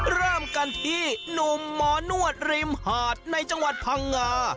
เริ่มกันที่หนุ่มหมอนวดริมหาดในจังหวัดพังงา